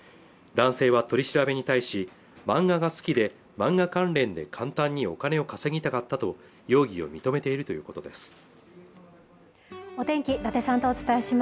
男性は取り調べに対し漫画が好きで漫画関連で簡単にお金を稼ぎたかったと容疑を認めているということです